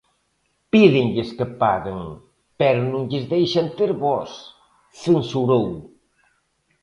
"Pídenlles que paguen, pero non lles deixan ter voz", censurou.